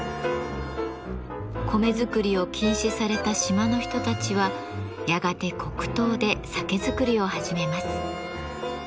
米作りを禁止された島の人たちはやがて黒糖で酒づくりを始めます。